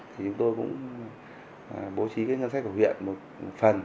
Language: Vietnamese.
thì chúng tôi cũng bố trí cái ngân sách của huyện một phần